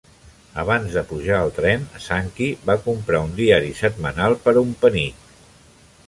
Abans de pujar al tren, Sankey va comprar un diari setmanal per un penic.